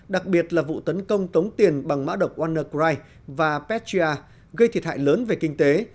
đặc biệt là vụ tấn công tống tiền bằng mã độc wanercride và petra gây thiệt hại lớn về kinh tế